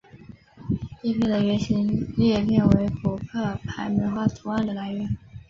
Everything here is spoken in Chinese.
叶片的圆形裂片为扑克牌梅花图案的来源。